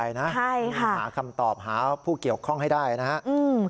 ใช่ค่ะหาคำตอบหาผู้เกี่ยวข้องให้ได้นะครับ